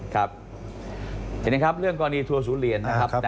เห็นไหมครับเรื่องกรณีทัวร์ศูนย์เหรียญนะครับ